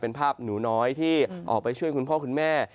เป็นภาพหนูน้อยที่ออกไปช่วยคุณพ่อคุณแม่